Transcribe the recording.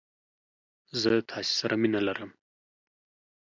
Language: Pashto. زه تاسې سره مينه ارم!